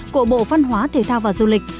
của bộ văn hóa thể thao và du lịch